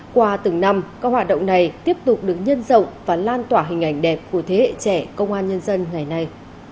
qua từng năm các hoạt động này tiếp tục được nhân rộng và lan tỏa hình ảnh đẹp của thế hệ trẻ công an nhân dân ngày nay